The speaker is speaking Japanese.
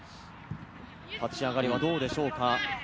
立ち上がりはどうでしょうか。